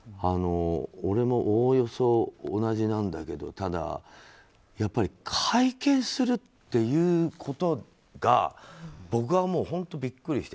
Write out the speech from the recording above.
俺も、おおよそ同じなんだけどただ、やっぱり会見するっていうことが僕は本当にビックリして。